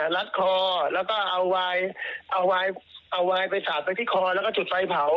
รัดคอแล้วก็เอาวายไปสาดไปที่คอแล้วก็จุดไฟเผา